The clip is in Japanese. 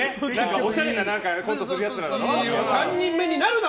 おしゃれなコントするやつらだろ。